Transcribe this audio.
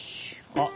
あっ。